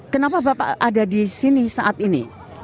kenapa bapak ada di sini saat ini